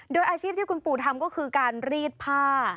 โดยอาชีพที่คุณปู่ทำก็คือการรีดผ้า